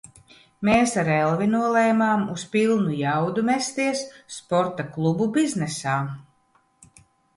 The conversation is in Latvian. Mēs ar Elvi nolēmām uz pilnu jaudu mesties sporta klubu biznesā.